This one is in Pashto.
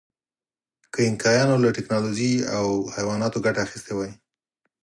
که اینکایانو له ټکنالوژۍ او حیواناتو ګټه اخیستې وای.